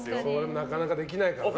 なかなかできないからな。